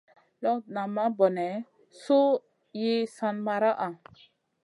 Lop nalam bone su yi san maraʼha?